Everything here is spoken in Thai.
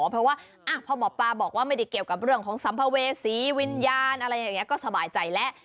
เพราะว่าพอหมอปลาบอกว่าไม่ได้เกี่ยวกับเรื่องของสัมภเวษีวิญญาณอะไรอย่างนี้ก็สบายใจแล้ว